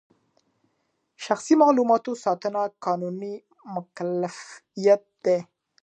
د شخصي معلوماتو ساتنه قانوني مکلفیت دی.